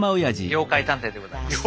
妖怪探偵でございます。